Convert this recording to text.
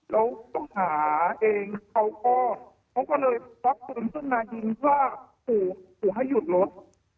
แล้วต้องหาเองเขาก็เลยรับคุณซึ่งมายิงว่าขู่ให้หยุดรถ